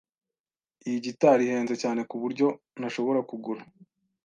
Iyi gitari ihenze cyane kuburyo ntashobora kugura.